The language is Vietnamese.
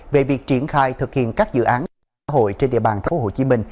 về việc triển khai thực hiện các dự án xã hội trên địa bàn tp hcm